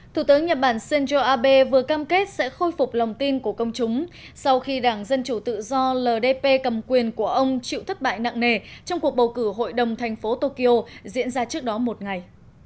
thủ tướng nhật bản shinzo abe vừa cam kết sẽ khôi phục lòng tin của công chúng sau khi đảng dân chủ tự do ldp cầm quyền của ông chịu thất bại nặng nề trong cuộc bầu cử hội đồng thành phố tokyo diễn ra trước đó một ngày